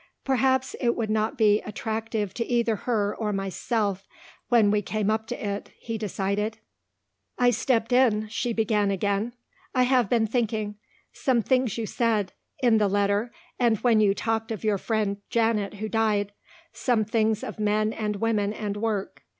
"Perhaps it would not be attractive to either her or myself when we came up to it," he decided. "I stepped in," she began again. "I have been thinking. Some things you said in the letter and when you talked of your friend Janet who died some things of men and women and work.